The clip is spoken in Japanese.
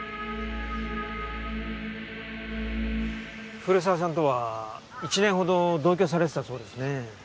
古沢さんとは１年ほど同居されてたそうですね。